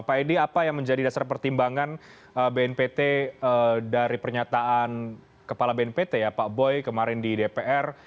pak edi apa yang menjadi dasar pertimbangan bnpt dari pernyataan kepala bnpt ya pak boy kemarin di dpr